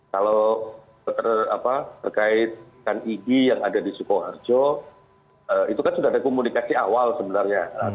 kalau terkaitkan igi yang ada di sukoharjo itu kan sudah ada komunikasi awal sebenarnya